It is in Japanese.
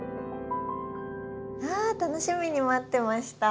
あ楽しみに待ってました。